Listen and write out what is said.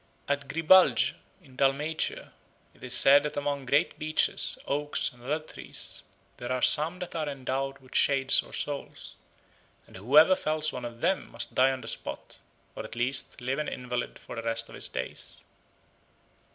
At Grbalj in Dalmatia it is said that among great beeches, oaks, and other trees there are some that are endowed with shades or souls, and whoever fells one of them must die on the spot, or at least live an invalid for the rest of his days.